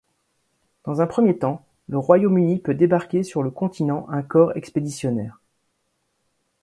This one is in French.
Dans un premier temps, le Royaume-Uni peut débarquer sur le continent un corps expéditionnaire.